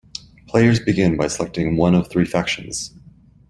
Players begin by selecting one of three factions.